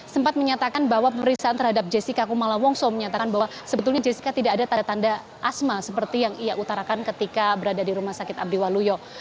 sempat menyatakan bahwa pemeriksaan terhadap jessica kumala wongso menyatakan bahwa sebetulnya jessica tidak ada tanda tanda asma seperti yang ia utarakan ketika berada di rumah sakit abdiwaluyo